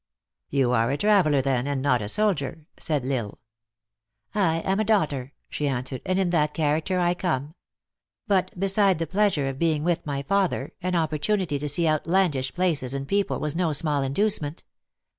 " You are a traveler, then, and not a soldier," said L Isle. "I am a daughter," she answered, "and in that character I come. But, beside the pleasure of being with my father, an opportunity to see outlandish places and people was no small inducement.